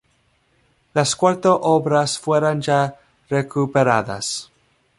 Las cuatro obras fueron ya recuperadas.